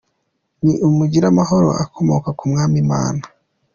Ni mugire amahoro akomoka ku Mwami Imana.